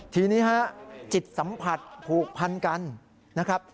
ทีนี้ฮะจิตสัมผัสผูกพันกันนะครับ